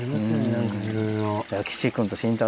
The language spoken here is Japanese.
何かいろいろ。